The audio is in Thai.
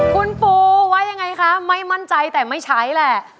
คุณปูว่ายังไงคะไม่มั่นใจแต่ไม่ใช้แหละ